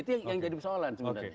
itu yang jadi persoalan sebenarnya